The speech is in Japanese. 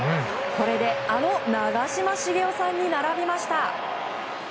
これで、あの長嶋茂雄さんに並びました。